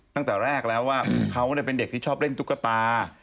ตั้งแต่แรกแล้วว่าเขาเป็นเด็กที่ชอบเล่นตุ๊กตา